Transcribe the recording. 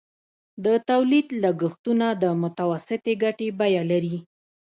د تولید لګښتونه د متوسطې ګټې بیه لري